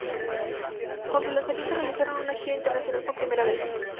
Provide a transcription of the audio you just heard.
Con su lanzamiento realizaron una gira internacional por primera vez.